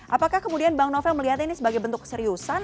apakah kemudian bang novel melihatnya ini sebagai bentuk keseriusan